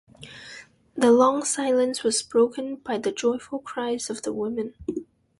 The long silence was broken by the joyful cries of the women.